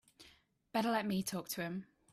Better let me talk to him.